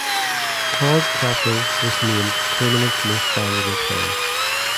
Todd Tocco was named Tournament Most Valuable Player.